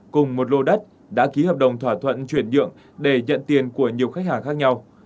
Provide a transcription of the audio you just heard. cùng một lô đất đã ký hợp đồng thỏa thuận chuyển nhượng để nhận tiền của nhiều khách hàng khác nhau